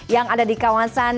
yang ada di kampung bali ini